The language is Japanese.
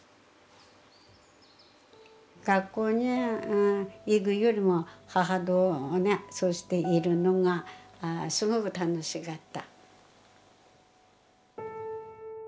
学校に行くよりも母とねそうしているのがすごく楽しかった。